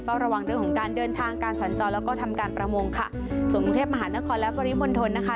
ระวังเรื่องของการเดินทางการสัญจรแล้วก็ทำการประมงค่ะส่วนกรุงเทพมหานครและปริมณฑลนะคะ